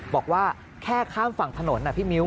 บอกว่าแค่ข้ามฝั่งถนนนะพี่มิ้ว